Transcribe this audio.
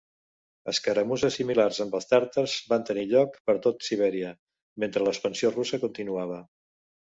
Escaramusses similars amb els tàrtars van tenir lloc per tot Sibèria mentre l'expansió russa continuava.